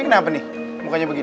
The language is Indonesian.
kenapa nih mukanya begini